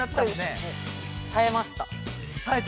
たえました。